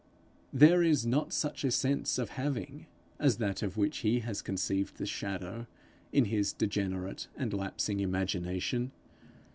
There is not such a sense of having as that of which he has conceived the shadow in his degenerate and lapsing imagination.